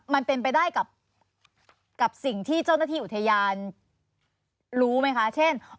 มันเป็นไปได้กับสิ่งที่เจ้าหน้าที่อุทยานรู้ไหมคะเช่น